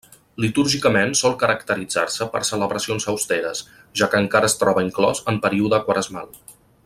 Litúrgicament sol caracteritzar-se per celebracions austeres, ja que encara es troba inclòs en període quaresmal.